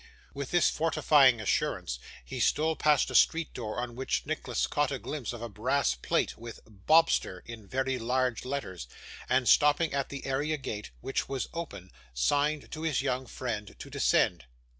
With this fortifying assurance, he stole past a street door, on which Nicholas caught a glimpse of a brass plate, with 'BOBSTER,' in very large letters; and, stopping at the area gate, which was open, signed to his young friend to descend.